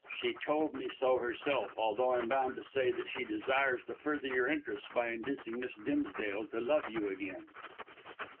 "She told me so herself, although I'm bound to say that she desires to further your interests by inducing Miss Dimsdale to love you again."